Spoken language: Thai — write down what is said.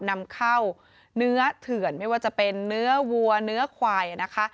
นำเข้าเนื้อเถื่อนไม่ว่าจะเป็นเนื้อวัวเนื้อควายนะคะ